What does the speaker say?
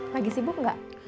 lagi sibuk gak